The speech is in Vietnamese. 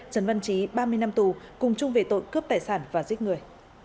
trấn văn trí ba mươi năm tù cùng chung về tội cướp tài sản và giết người